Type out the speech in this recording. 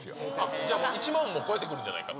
じゃあもう１万も超えてくるんじゃないかと。